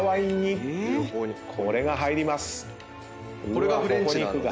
これがフレンチなので。